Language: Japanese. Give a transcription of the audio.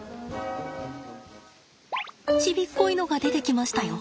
ちびっこいのが出てきましたよ。